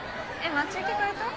待ち受け変えた？